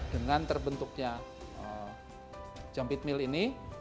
dengan terbentuknya jampit mil ini